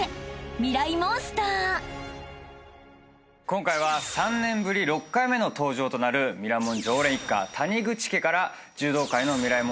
今回は３年ぶり６回目の登場となる『ミラモン』常連一家谷口家から柔道界のミライ☆